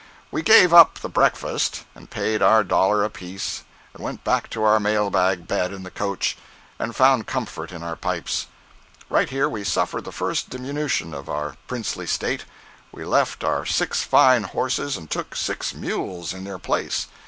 We gave up the breakfast, and paid our dollar apiece and went back to our mail bag bed in the coach, and found comfort in our pipes. Right here we suffered the first diminution of our princely state. We left our six fine horses and took six mules in their place.